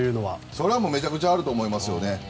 それはめちゃくちゃあると思います。